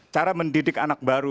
cara mendidik anak baru